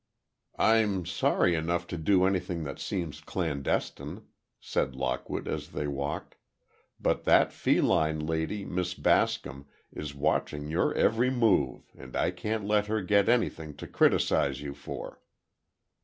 "I'm sorry enough to do anything that seems clandestine," said Lockwood as they walked, "but that feline lady, Miss Bascom, is watching your every move, and I can't let her get anything to criticise you for."